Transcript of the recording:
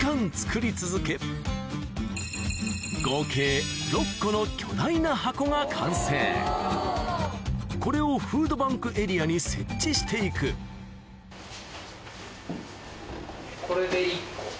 合計６個のこれをフードバンクエリアに設置して行くこれで１個。